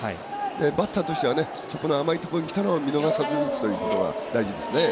バッターとしてはそこの甘いとこにきたのを見逃さず打つことが大事ですね。